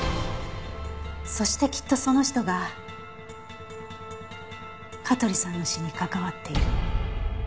そしてきっとその人が香取さんの死に関わっている。